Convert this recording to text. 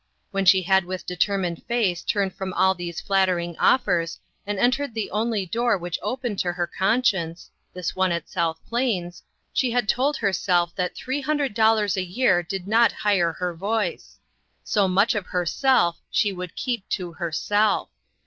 When she had with determined face turned from all these flattering offers, and entered the only door which opened to her con 222 INTERRUPTED. science this one at South Plains she had told herself that three hundred dollars a year did not hire her voice. So much of herself she would keep to herself.